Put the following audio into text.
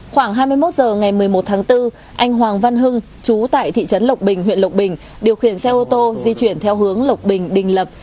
khoảng hai mươi một h ngày một mươi một tháng bốn anh hoàng văn hưng chú tại thị trấn lộc bình huyện lộc bình điều khiển xe ô tô di chuyển theo hướng lộc bình đình lập